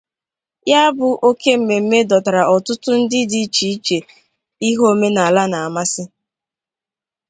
Ya bụ óké mmemme dọtàrà ọtụtụ ndị dị iche iche ihe omenala na-amasị